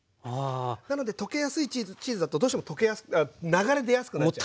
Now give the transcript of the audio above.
なので溶けやすいチーズだとどうしても流れ出やすくなっちゃうんで。